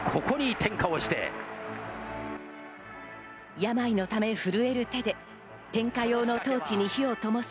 病のため、震える手で点火用のトーチに火をともす